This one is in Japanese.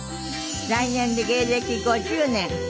来年で芸歴５０年。